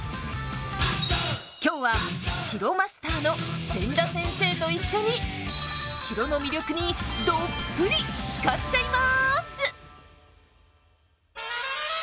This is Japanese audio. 今日は城マスターの千田先生と一緒に城の魅力にどっぷり浸かっちゃいます！